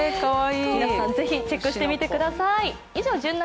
皆さん是非チェックしてみてください。